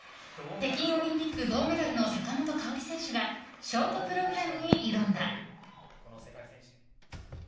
北京オリンピック銅メダルの坂本花織選手がショートプログラムに挑んだ。